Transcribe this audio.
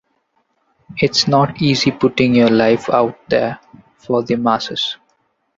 It's not easy putting your life out there for the masses.